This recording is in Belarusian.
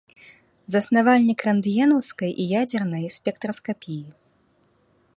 Заснавальнік рэнтгенаўскай і ядзернай спектраскапіі.